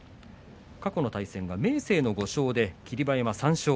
過去の対戦は明生の５勝霧馬山、３勝。